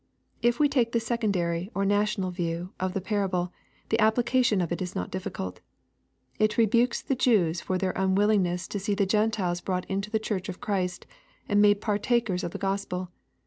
If we take the secondary, or national view, of the parable, the application of it is not difficult. It rebukes the Jews for their unwillingness to see the Grentiles brought into the Church of Christ, and made partakers of the Gospel.